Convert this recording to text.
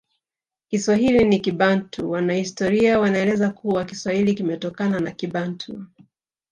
Kiswahili ni Kibantu Wanahistoria wanaeleza kuwa Kiswahili kimetokana na Kibantu